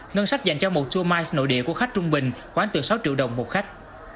ngân sách dành cho một tour mice nội địa của khách trung bình khoảng từ sáu triệu đồng một khách